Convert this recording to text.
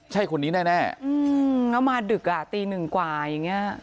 ใช่คนนี้แน่แล้วมาดึกอ่ะตีหนึ่งกว่าอย่างนี้